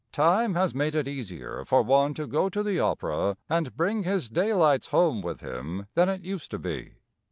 Time has made it easier for one to go to the opera and bring his daylights home with him than it used to be.